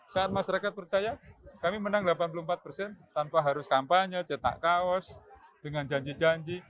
saat masyarakat percaya kami menang delapan puluh empat persen tanpa harus kampanye cetak kaos dengan janji janji